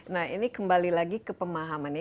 nah ini kembali lagi ke pemahaman nih